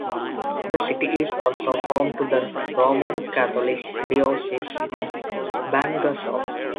The city is also home to the Roman Catholic Diocese of Bangassou.